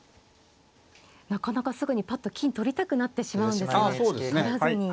なかなかすぐにぱっと金取りたくなってしまうんですが取らずに。